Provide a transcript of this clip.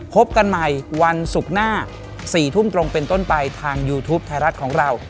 พบกันใหม่วันศุกร์หน้า๔ทุ่มตรงเป็นต้นไปทางยูทูปไทยรัฐของเรา